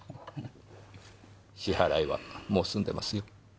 支払いはもう済んでますよ。